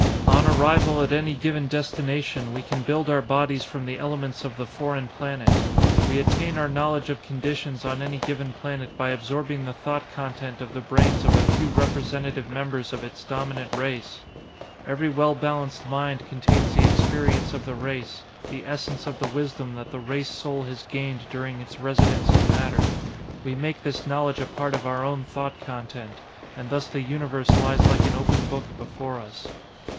"On arrival at any given destination, we can build our bodies from the elements of the foreign planet. We attain our knowledge of conditions on any given planet by absorbing the thought content of the brains of a few representative members of its dominant race. Every well balanced mind contains the experience of the race, the essence of the wisdom that the race soul has gained during its residence in matter. We make this knowledge a part of our own thought content, and thus the Universe lies like an open book before us.